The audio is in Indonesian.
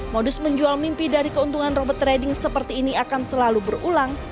modus menjual mimpi dari keuntungan robot trading seperti ini akan selalu berulang